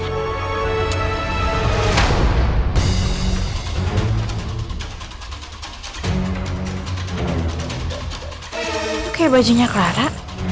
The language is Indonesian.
oke bajunya clara